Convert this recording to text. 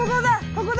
ここだ！